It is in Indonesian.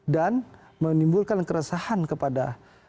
dan menimbulkan keresahan kepada